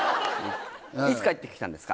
いつ帰ってきたんですか？